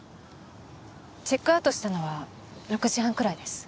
チェックアウトしたのは６時半くらいです。